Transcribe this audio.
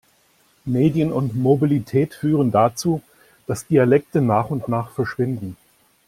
Medien und Mobilität führen dazu, dass Dialekte nach und nach verschwinden.